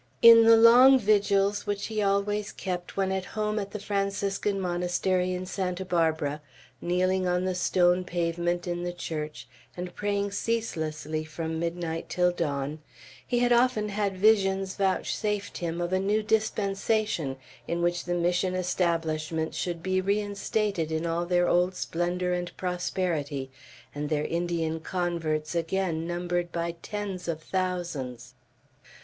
In the long vigils which he always kept when at home at the Franciscan Monastery in Santa Barbara, kneeling on the stone pavement in the church, and praying ceaselessly from midnight till dawn, he had often had visions vouchsafed him of a new dispensation, in which the Mission establishments should be reinstated in all their old splendor and prosperity, and their Indian converts again numbered by tens of thousands.